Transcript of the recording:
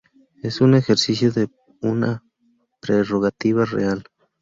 Es un ejercicio de una Prerrogativa Real.